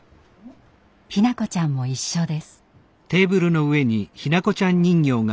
日向子ちゃんも一緒です。